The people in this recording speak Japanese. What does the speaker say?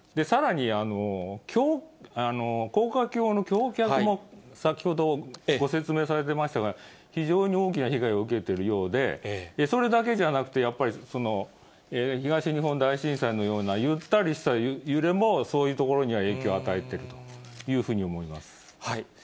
さらに、高架橋の橋脚も先ほどご説明されてましたが、非常に大きな被害を受けているようで、それだけじゃなくて、やっぱり、東日本大震災のようなゆったりした揺れもそういうところには影響を与えているというふうに思います。